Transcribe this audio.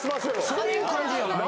そういう感じじゃない。